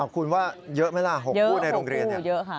คุณว่าเยอะไหมล่ะ๖คู่ในโรงเรียนเนี่ยเยอะ๖คู่เยอะค่ะ